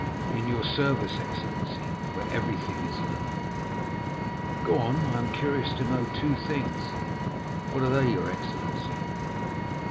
"In your service, excellency, where everything is learned." "Go on, I am curious to know two things." "What are they, your excellency?"